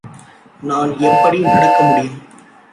நான் எப்படி நடக்கமுடியும்?